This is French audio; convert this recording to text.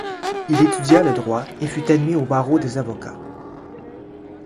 Il étudia le droit et fut admis au barreau des avocats.